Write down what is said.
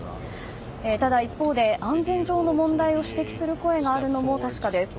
ただ一方で安全上の問題を指摘する声があるのも確かです。